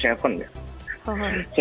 sesuatu yang susah adalah salon seven